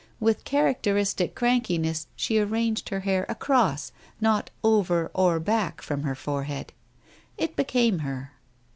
With characteristic crankiness, she arranged her hair across, not over or back from her fofehead. It became her.